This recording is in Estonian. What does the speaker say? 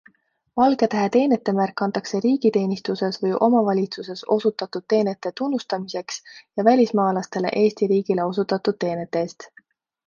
Valgetähe teenetemärk antakse riigiteenistuses või omavalitsuses osutatud teenete tunnustamiseks ja välismaalastele Eesti riigile osutatud teenete eest.